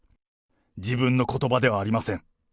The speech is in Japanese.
自分のことばではありません。